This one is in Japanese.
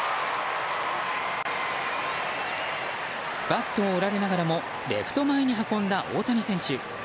バットを折られながらもレフト前に運んだ大谷選手。